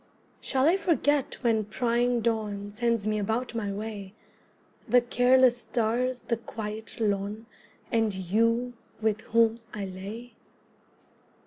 Shall I forget when prying dawn Sends me about my way, The careless stars, the quiet lawn, And you with whom I lay?